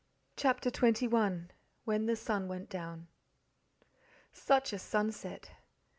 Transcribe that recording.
CHAPTER XXI When the Sun Went Down Such a sunset!